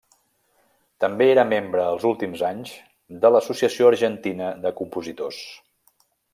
També era membre els últims anys, de l'Associació Argentina de Compositors.